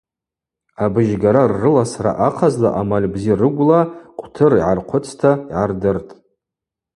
Абыжьгара ррыласра ахъазла амаль бзи рыгвла къвтыр йгӏархъвыцта йгӏардыртӏ.